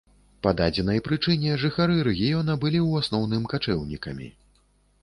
Па дадзенай прычыне жыхары рэгіёна былі ў асноўным качэўнікамі.